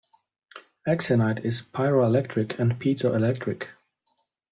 Axinite is pyroelectric and piezoelectric.